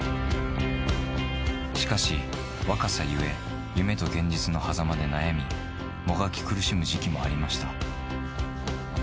しかし、若さゆえ夢と現実のはざまで悩み、もがき苦しむ時期もありました。